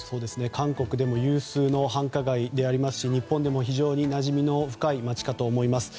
韓国でも有数の繁華街ですし日本でも非常になじみの深い街かと思います。